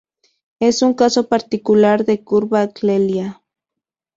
Es un caso particular de "curva clelia".